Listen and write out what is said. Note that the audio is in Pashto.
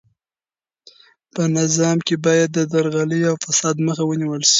په نظام کې باید د درغلۍ او فساد مخه ونیول سي.